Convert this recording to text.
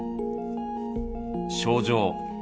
症状。